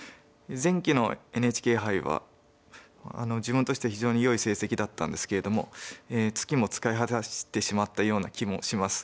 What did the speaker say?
前期のＮＨＫ杯は自分としては非常によい成績だったんですけれどもツキも使い果たしてしまったような気もします。